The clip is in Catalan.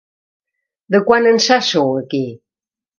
De quan ençà sou aquí?